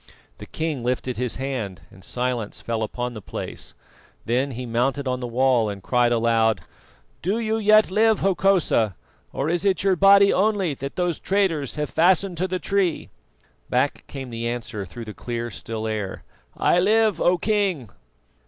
The king lifted his hand, and silence fell upon the place; then he mounted on the wall and cried aloud: "Do you yet live, Hokosa, or is it your body only that those traitors have fastened to the tree?" Back came the answer through the clear still air: "I live, O King!"